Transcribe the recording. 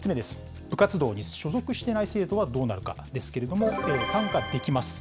部活動に所属していない生徒はどうなるかですけれども、参加できます。